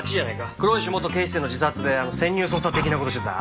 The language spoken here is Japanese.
黒石元警視正の自殺で潜入捜査的な事してたあれだよ。